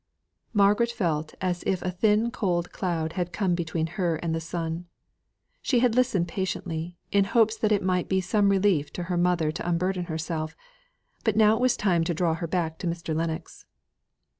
Margaret felt as if a thin cold cloud had come between her and the sun. She had listened patiently, in hopes that it might be some relief to her mother to unburden herself; but now it was time to draw her back to Mr. Lennox.